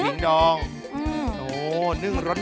โหนึ่งร้อน